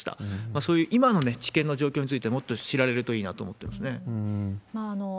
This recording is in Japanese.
そういう今の治験の状況について、もっと知られるといいなと思っていますね。